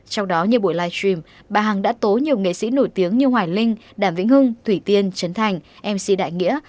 trong đó như buổi live stream bà hằng đã tố nhiều nghệ sĩ nổi tiếng như hoài linh đàm vĩnh hưng thủy tiên trấn thành mc đại nghĩa